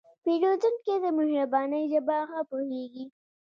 پیرودونکی د مهربانۍ ژبه ښه پوهېږي.